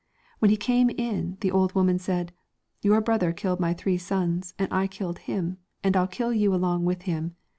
When he came in the old woman said, ' Your brother killed my three sons, and I killed him, and I'll kill you along with him.'